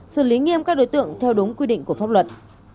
xử lý nghiêm các đối tượng theo đúng quy định của pháp luật